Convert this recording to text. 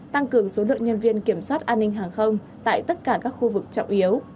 tăng cường số lượng nhân viên kiểm soát an ninh hàng không tại tất cả các khu vực trọng yếu